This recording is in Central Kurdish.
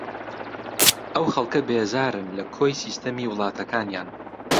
ئەو خەڵکە بێزارن لە کۆی سیستەمی وڵاتەکانیان